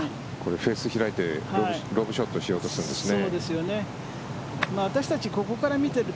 フェース開いてロブショットしようとするんですよね。